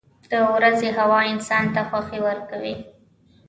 • د ورځې هوا انسان ته خوښي ورکوي.